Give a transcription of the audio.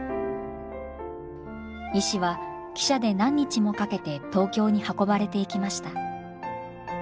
石は汽車で何日もかけて東京に運ばれていきました。